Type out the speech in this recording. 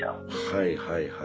はいはいはい。